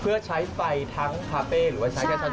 เพื่อใช้ไฟทั้งคาเฟ่หรือว่าใช้แค่ชั้น๒น่ะ